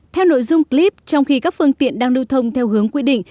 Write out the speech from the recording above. theo nội dung clip trong khi các phương tiện đang lưu thông theo hướng quy định